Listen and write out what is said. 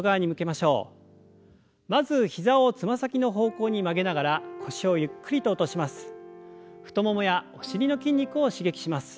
まず膝をつま先の方向に曲げながら腰をゆっくりと落とします。